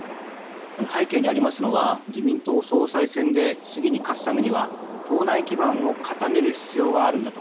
背景にありますのは自民党総裁選で次に勝つためには党内基盤を固める必要があるんだと。